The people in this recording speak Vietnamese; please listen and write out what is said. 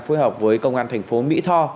phối hợp với công an thành phố mỹ tho